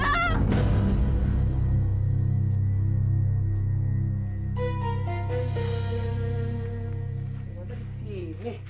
siapa di sini